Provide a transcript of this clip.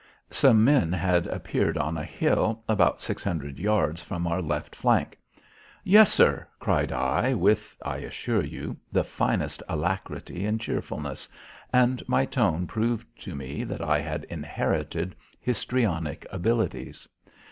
Some men had appeared on a hill about six hundred yards from our left flank. "Yes, sir," cried I with, I assure you, the finest alacrity and cheerfulness, and my tone proved to me that I had inherited histrionic abilities.